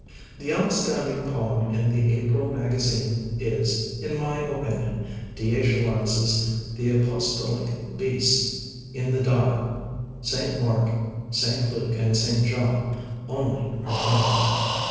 The outstanding poem in the April magazines is, in my opinion, D. H. Lawrence's "The Apostolic Beasts" in "The Dial". "Saint Mark", "Saint Luke", and "Saint John" only are printed.